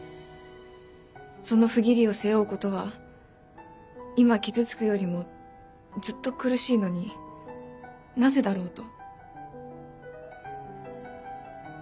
その不義理を背負うことは今傷つくよりもずっと苦しいのになぜだろうと。